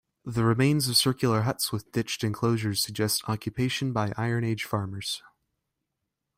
The remains of circular huts with ditched enclosures suggest occupation by Iron Age farmers.